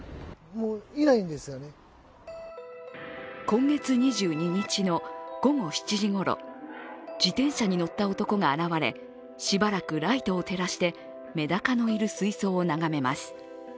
今月２２日の午後７時ごろ、自転車に乗った男が現れしばらくライトを照らしてメダカのいる水槽を眺めます。